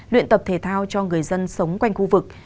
luyện tập thể thao cho người dân sống quanh khu vực